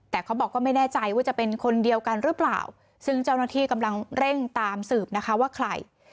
แต่เขาบอกก็ไม่แน่ใจว่าจะเป็นคนเดียวกันหรือเปล่าซึ่งเจ้าหน้าที่กำลังเร่งตามสืบนะคะว่าใคร